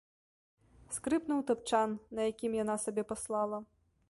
Скрыпнуў тапчан, на якім яна сабе паслала.